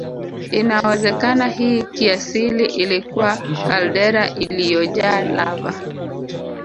Inawezekana hii kiasili ilikuwa kaldera iliyojaa lava